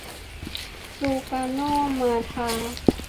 ซูการ์โน มะทา